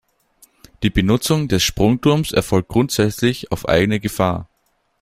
Die Benutzung des Sprungturms erfolgt grundsätzlich auf eigene Gefahr.